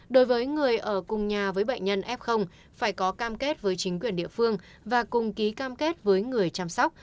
đối với người ở cùng nhà với bệnh nhân f phải có cam kết với chính quyền địa phương và cùng ký cam kết với người chăm sóc